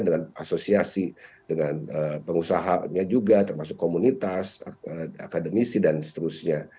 dengan asosiasi dengan pengusahanya juga termasuk komunitas akademisi dan seterusnya